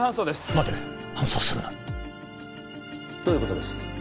待て搬送するなどういうことです？